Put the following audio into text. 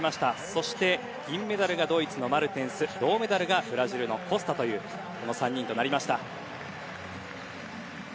そして、銀メダルがドイツのマルテンス銅メダルがブラジルのコスタという３人となりました。